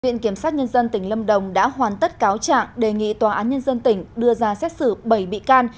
viện kiểm sát nhân dân tỉnh lâm đồng đã hoàn tất cáo trạng đề nghị tòa án nhân dân tỉnh đưa ra xét xử bảy bị can